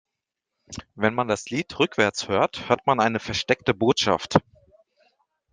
Wenn man das Lied rückwärts hört, hört man eine versteckte Botschaft.